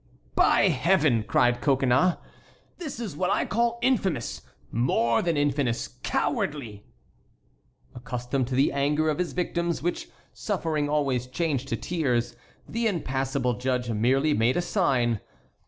"By Heaven!" cried Coconnas; "this is what I call infamous; more than infamous—cowardly!" Accustomed to the anger of his victims, which suffering always changed to tears, the impassible judge merely made a sign.